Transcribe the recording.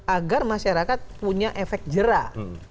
agar masyarakat punya efek jerah